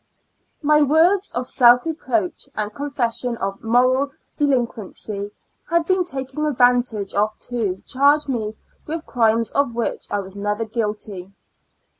My words of self reproach, and confession of moral delinquency, had been taken advantage of, to charge me with crimes of which I was never guilty.